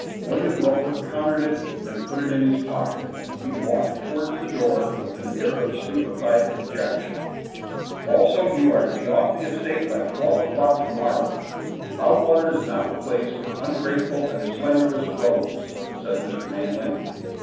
William Roper counted it, and put it in his pocket. He walked towards the door with an air of stupefied dejection. "Also, you are to be off the estate by twelve o'clock tomorrow. Loudwater is not the place for ungrateful and slanderous rogues," said Mr. Manley.